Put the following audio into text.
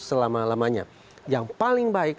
selama lamanya yang paling baik